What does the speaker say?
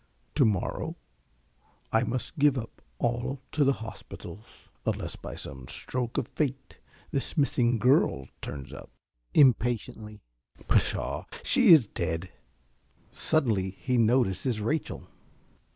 To morrow I must give up all to the hospitals, unless by some stroke of Fate this missing girl turns up. (Impatiently.) Pshaw! She is dead. (Suddenly he notices Rachel.)